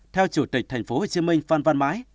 theo chủ tịch tp hcm phan van mai